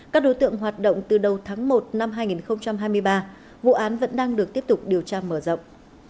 các đối tượng hoạt động từ đầu tháng một năm hai nghìn hai mươi ba vụ án vẫn đang được tiếp tục điều tra mở rộng